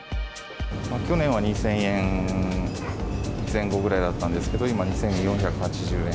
去年は２０００円前後ぐらいだったけれども、今は２４８０円。